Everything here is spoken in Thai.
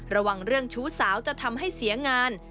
ระวังเรื่องชู้สาวจะทำให้เสียงาน